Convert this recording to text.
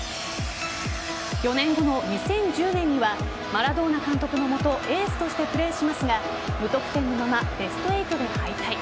４年後の２０１０年にはマラドーナ監督の下エースとしてプレーしますが無得点のまま、ベスト８で敗退。